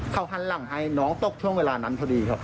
เขาหันหลังให้น้องตกช่วงเวลานั้นพอดีครับ